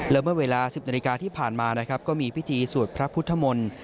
เริ่มเวลา๑๐นาฬิกาที่ผ่านมาก็มีพิธีสูตรพระพุทธมนต์